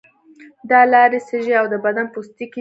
دا لارې سږی او د بدن پوستکی دي.